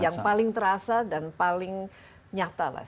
yang paling terasa dan paling nyata lah